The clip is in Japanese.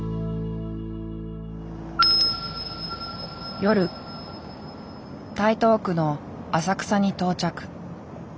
夜台東区の浅草に到着。